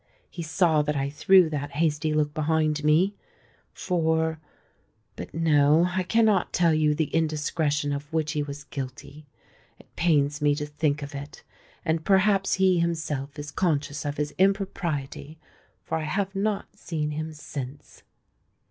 He saw that I threw that hasty look behind me; for——but, no——I cannot tell you the indiscretion of which he was guilty. It pains me to think of it; and perhaps he himself is conscious of his impropriety, for I have not seen him since."